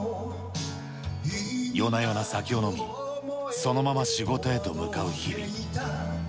夜な夜な酒を飲み、そのまま仕事へと向かう日々。